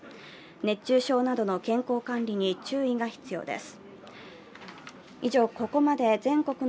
熱中症などの健康管理に注意が必要です。